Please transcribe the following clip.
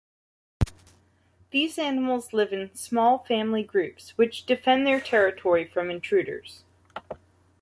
These animals live in small family groups, which defend their territory from intruders.